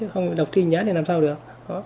không đọc thi hành án thì làm sao được